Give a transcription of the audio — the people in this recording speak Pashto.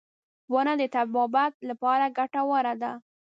• ونه د طبابت لپاره ګټوره ده.